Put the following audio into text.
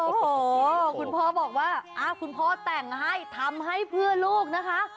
โอ้โหคุณพ่อบอกว่าคุณพ่อแต่งให้ทำให้เพื่อลูกนะคะ